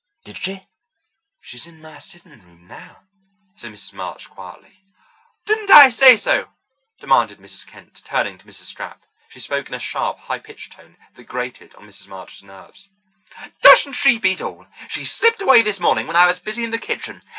Did she?" "She is in my sitting room now," said Mrs. March quietly. "Didn't I say so?" demanded Mrs. Kent, turning to Mrs. Stapp. She spoke in a sharp, high pitched tone that grated on Mrs. March's nerves. "Doesn't she beat all! She slipped away this morning when I was busy in the kitchen.